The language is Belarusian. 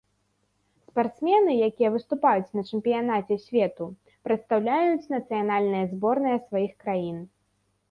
Спартсмены, якія выступаюць на чэмпіянаце свету, прадстаўляюць нацыянальныя зборныя сваіх краін.